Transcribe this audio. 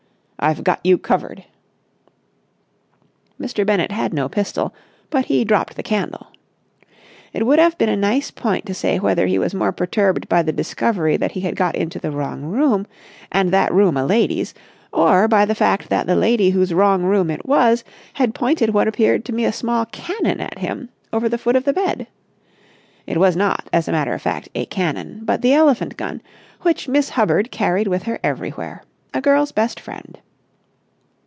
"I've got you covered!" Mr. Bennett had no pistol, but he dropped the candle. It would have been a nice point to say whether he was more perturbed by the discovery that he had got into the wrong room, and that room a lady's, or by the fact that the lady whose wrong room it was had pointed what appeared to be a small cannon at him over the foot of the bed. It was not, as a matter of fact, a cannon but the elephant gun, which Miss Hubbard carried with her everywhere—a girl's best friend.